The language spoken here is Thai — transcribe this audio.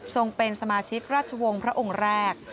เป็นสมาชิกราชวงศ์พระองค์แรก